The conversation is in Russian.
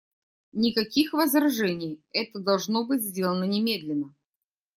Никаких возражений, это должно быть сделано немедленно.